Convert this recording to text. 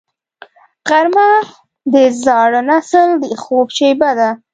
غرمه د زاړه نسل د خوب شیبه ده